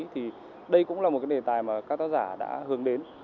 thì đây cũng là một nền tài mà các tác giả đã hướng đến